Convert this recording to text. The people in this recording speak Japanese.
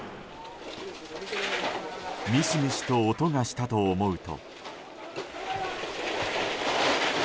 ミシミシと音がしたと思うと。